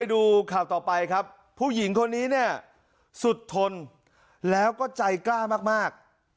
ดูข่าวต่อไปครับผู้หญิงคนนี้เนี่ยสุดทนแล้วก็ใจกล้ามาก